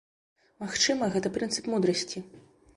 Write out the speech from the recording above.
Магчыма, гэта прынцып мудрасці.